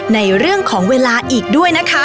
ในเรื่องของเวลาอีกด้วยนะคะ